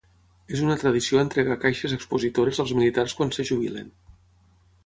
És una tradició entregar caixes expositores als militars quan es jubilen.